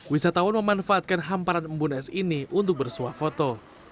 wisatawan memanfaatkan hamparan embun es ini untuk bersuah foto